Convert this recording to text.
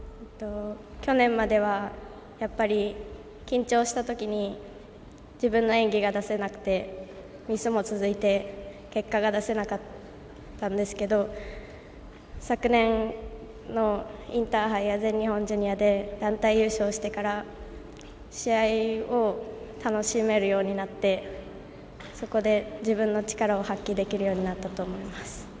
去年まではやっぱり緊張したときに自分の演技が出せなくてミスも続いて結果が出せなかったんですけど昨年のインターハイや全日本ジュニアで団体優勝してから試合を楽しめるようになってそこで自分の力を発揮できるようになったと思います。